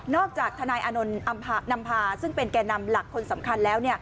นอกจากทนายอนุนัมภาซึ่งเป็นแก่นำหลักคนสำคัญแล้ว